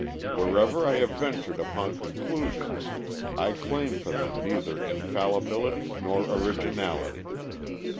Wherever I have ventured upon conclusions, I claim for them neither infallibility nor originality.